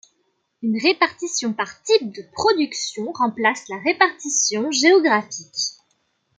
Une répartition par type de production remplace la répartition géographique.